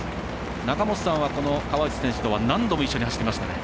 中本さんは川内選手とは何度も一緒に走りましたね。